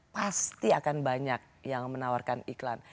pasti akan banyak yang menawarkan iklan